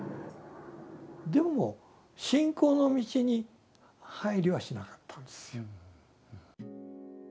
でも信仰の道に入りはしなかったんですよ。